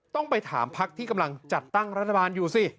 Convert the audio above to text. ต้องไปถามพักที่กำลังจัดตั้งรัฐบาลอยู่สิ